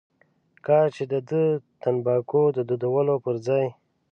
کاش چې دده تنباکو د دودولو پر ځای.